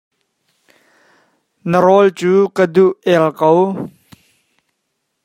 Na rawl cu ka duh ial ko.